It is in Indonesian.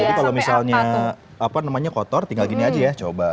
jadi kalau misalnya apa namanya kotor tinggal gini aja ya coba